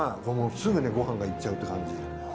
すぐにご飯がいっちゃうって感じ。